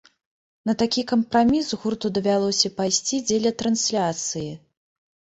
На такі кампраміс гурту давялося пайсці дзеля трансляцыі.